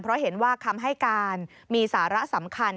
เพราะเห็นว่าคำให้การมีสาระสำคัญ